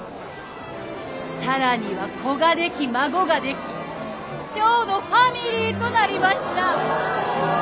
更には子が出来孫が出来蝶のファミリーとなりました。